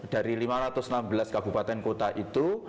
dari lima ratus enam belas kabupaten kota itu